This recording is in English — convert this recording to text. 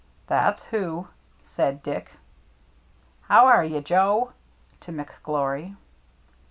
"" That's who," said Dick. " How are you, Joe ?" to McGlory.